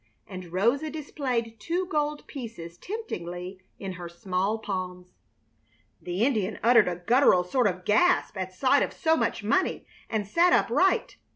And Rosa displayed two gold pieces temptingly in her small palms. The Indian uttered a guttural sort of gasp at sight of so much money, and sat upright.